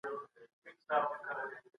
سرتېري اوس د دښمن پر وړاندي زړورتيا ښيي.